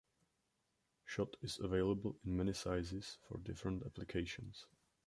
Shot is available in many sizes for different applications.